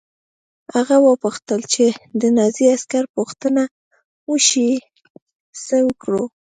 هغه وپوښتل چې که د نازي عسکر پوښتنه وشي څه وکړو